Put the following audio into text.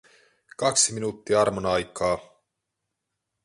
Kaksi minuuttia armon aikaa.